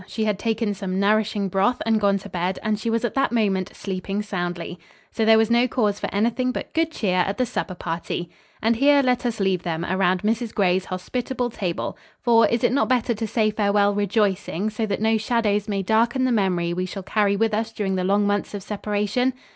She had taken some nourishing broth and gone to bed, and she was at that moment sleeping soundly. So there was no cause for anything but good cheer at the supper party. And here let us leave them around Mrs. Gray's hospitable table. For, is it not better to say farewell rejoicing so that no shadows may darken the memory we shall carry with us during the long months of separation?